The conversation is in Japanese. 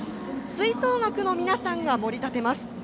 吹奏楽の皆さんが盛り立てます。